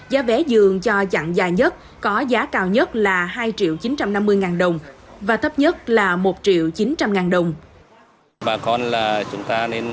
giá vé dường cho chặn dài nhất có giá cao nhất là hai chín trăm năm mươi đồng và tấp nhất là một chín trăm linh đồng